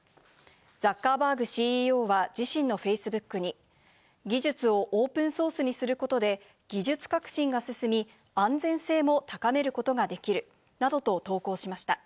ザッカーバーグＣＥＯは自身のフェイスブックに、技術をオープンソースにすることで技術革新が進み、安全性も高めることができるなどと投稿しました。